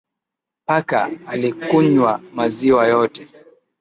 Paka alikunywa maziwa yote